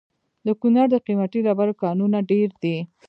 د کونړ د قیمتي ډبرو کانونه ډیر دي